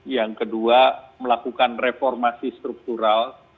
yang kedua melakukan reformasi struktural